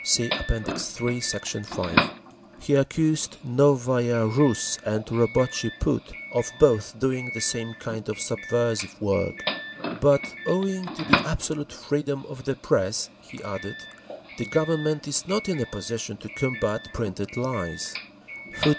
(See App. III, Sect. 5) He accused Novaya Rus and Robotchi Put of both doing the same kind of subversive work. "But owing to the absolute freedom of the press," he added, "the Government is not in a position to combat printed lies.…."